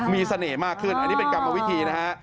มีเสน่ห์มากขึ้นอันนี้เป็นกรรมวิธีนะฮะ